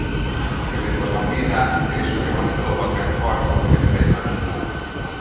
A középkorban Bizánc és a johannita lovagrend harcolt érte egymással.